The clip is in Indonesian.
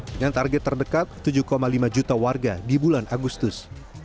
dengan target terdekat tujuh lima juta warga di bulan agustus